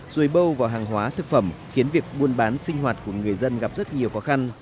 rồi bâu vào hàng hóa thực phẩm khiến việc buôn bán sinh hoạt của người dân gặp rất nhiều khó khăn